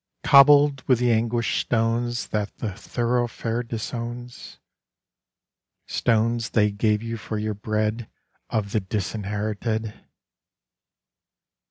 Cobbled with the anguished stones That the thoroughfare disowns; Stones they gave you for your bread Of the disinherited!